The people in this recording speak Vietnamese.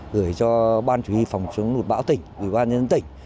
gửi cho ban chủ y phòng chống lụt bão tỉnh ủy ban nhân dân tỉnh